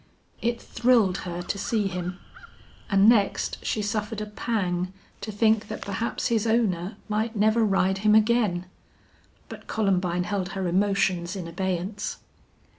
It thrilled her to see him. And next, she suffered a pang to think that perhaps his owner might never ride him again. But Columbine held her emotions in abeyance.